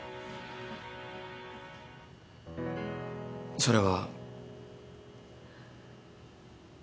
それは。